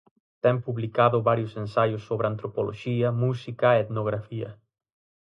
Ten publicado varios ensaios sobre antropoloxía, música e etnografía.